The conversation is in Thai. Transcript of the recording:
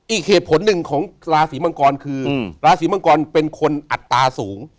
อีกเหตุผลหนึ่งของราศีมังกรคือราศีมังกรเป็นคนอัตราสูง